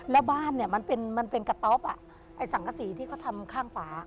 แล้วบ้านมันเป็นกระต๊อปสังกษีที่เขาทำข้างฝา